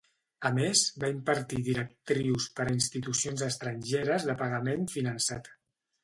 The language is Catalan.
A més, va impartir directrius per a institucions estrangeres de pagament finançat.